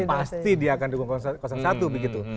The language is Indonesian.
pasti dia akan dukung satu begitu